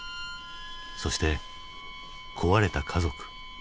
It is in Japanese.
そして壊れた家族。